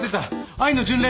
『愛の巡礼』